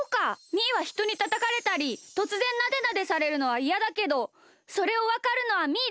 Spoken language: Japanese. みーはひとにたたかれたりとつぜんなでなでされるのはいやだけどそれをわかるのはみーだけなのか！